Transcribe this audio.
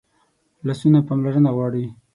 لاسونه پاملرنه غواړي